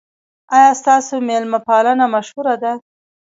ایا ستاسو میلمه پالنه مشهوره ده؟